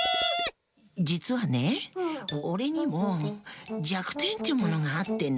じつはねオレにもじゃくてんってものがあってね。